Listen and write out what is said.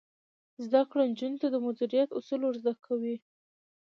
زده کړه نجونو ته د مدیریت اصول ور زده کوي.